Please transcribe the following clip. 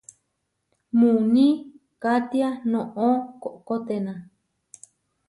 Muuní katiá noʼó koʼkoténa.